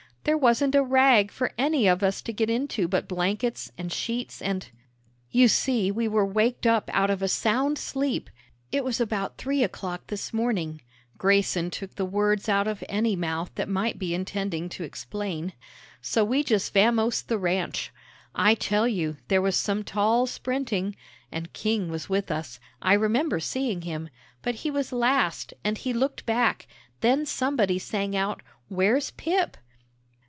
"There wasn't a rag for any of us to get into but blankets, and sheets, and " "You see we were waked up out of a sound sleep; it was about three o'clock this morning," Grayson took the words out of any mouth that might be intending to explain, "so we just vamosed the ranch. I tell you, there was some tall sprinting. And King was with us; I remember seeing him. But he was last, and he looked back; then somebody sang out, 'Where's Pip?'"